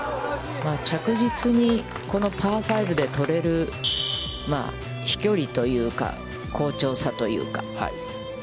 着実にこのパー５で取れる飛距離というか、好調さというか。